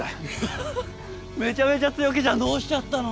ハハハめちゃめちゃ強気じゃんどうしちゃったの？